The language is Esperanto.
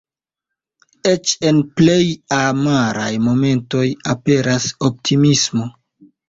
Eĉ en plej amaraj momentoj aperas optimismo.